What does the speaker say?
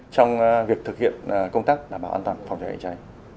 trong việc thực hiện công tác đảm bảo an toàn phòng cháy cháy